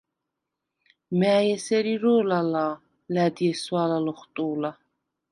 მა̈ჲ ესერ ირო̄ლ ალა̄, ლა̈დი ესვა̄ლა ლოხვტუ̄ლა: